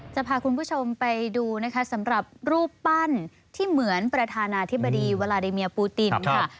จะพาคุณผู้ชมไปดูนะคะสำหรับรูปปั้นที่เหมือนประธานาธิบดีวาลาเดเมียปูตินค่ะ